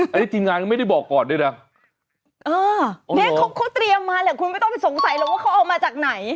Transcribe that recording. อันนี้ทีมงานก็ไม่ได้บอกก่อนด้วยนะเออเนี้ยเขาเขาเตรียมมาแหละคุณไม่ต้องไปสงสัยหรอกว่าเขาเอามาจากไหน